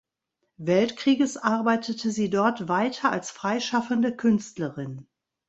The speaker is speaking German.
Weltkrieges arbeitete sie dort weiter als freischaffende Künstlerin.